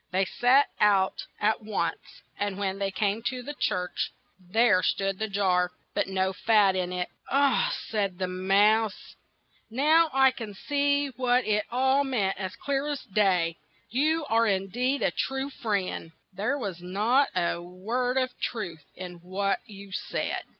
" They set out at once, and when they came to the church, there stood the jar, but no fat in it. "Ahl" said the mouse, "now I can see what it all meant CLEVER HANS 89 as clear as day ; you are in deed a true friend ! There was not a word of truth in what you said.